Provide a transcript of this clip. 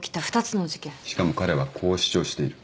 しかも彼はこう主張している。